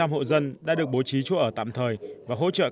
một trăm linh hộ dân đã được bố trí trụ ở tạm thời và hỗ trợ các nạn nhân